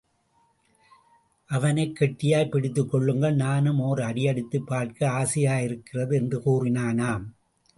அவனைக் கெட்டியாய்ப் பிடித்துக் கொள்ளுங்கள் நானும் ஓர் அடி அடித்துப் பார்க்க ஆசையாயிருக்கிறது என்று கூறினானாம்.